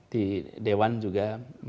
di dewan juga